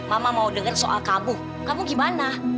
mama mau dengar soal kamu kamu gimana